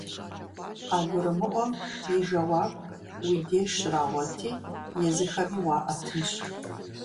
КъагурымыӀуэм и жэуап уи деж щрагъуэти, езыхэми уаӀэтынщ.